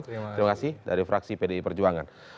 terima kasih dari fraksi pdi perjuangan